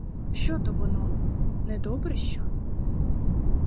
Що то воно — недобре що?